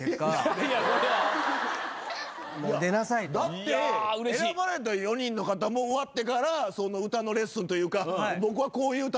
だって選ばれた４人の方も終わってから歌のレッスンというか。